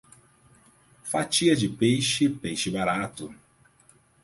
Fatia de peixe, peixe barato.